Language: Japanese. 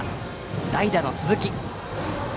代打の鈴木。